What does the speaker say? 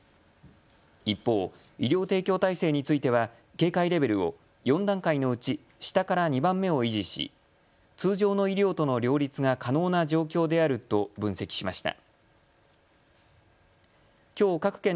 一方、医療提供体制については警戒レベルを４段階のうち下から２番目を維持し通常の医療との両立が可能な状況であると分析しました。